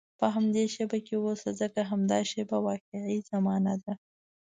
په همدې شېبه کې اوسه، ځکه همدا شېبه واقعي زمانه ده.